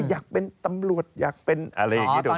อยากเป็นตำรวจอยากเป็นอะไรอย่างนี้ถูกไหม